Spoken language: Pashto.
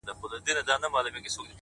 کلونه کیږي بې ځوابه یې بې سواله یې؛